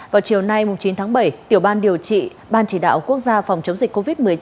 vào chiều nay chín tháng bảy tiểu ban điều trị ban chỉ đạo quốc gia phòng chống dịch covid một mươi chín